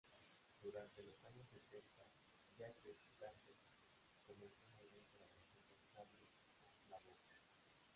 Durante los años sesenta, Jacques Plante comenzó una gran colaboración con Charles Aznavour.